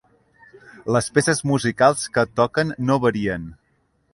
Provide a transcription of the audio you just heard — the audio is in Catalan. Les peces musicals que toquen no varien.